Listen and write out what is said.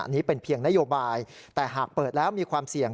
อันนี้เป็นเพียงนโยบายแต่หากเปิดแล้วมีความเสี่ยง